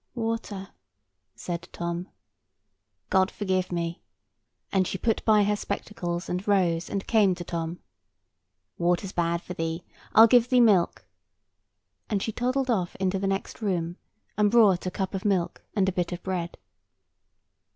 "Water," said Tom. "God forgive me!" and she put by her spectacles, and rose, and came to Tom. "Water's bad for thee; I'll give thee milk." And she toddled off into the next room, and brought a cup of milk and a bit of bread.